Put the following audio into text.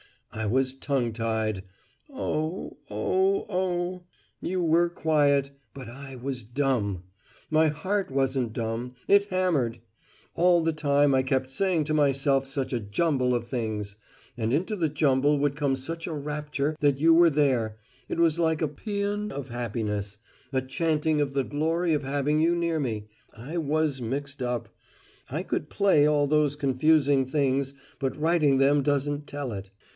I was tongue tied! Oh, oh, oh! You were quiet but I was dumb! My heart wasn't dumb it hammered! All the time I kept saying to myself such a jumble of things. And into the jumble would come such a rapture that You were there it was like a paean of happiness a chanting of the glory of having You near me I was mixed up! I could play all those confused things, but writing them doesn't tell it.